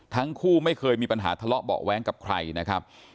ทั้งคู่ไม่เคยมีปัญหาทะเลาะเบาะแว้งกับใครนะครับ